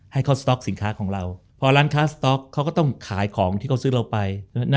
ให้เขาสต๊อกสินค้าของเราพอร้านค้าสต๊อกเขาก็ต้องขายของที่เขาซื้อเราไป